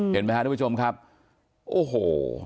เห็นไหมครับทุกผู้ชมครับโอ้โห